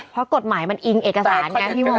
เพราะกฎหมายมันอิงเอกสารเนี่ยพี่โม้ด